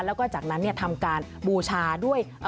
แล้วก็จากนั้นทำการบูชาด้วย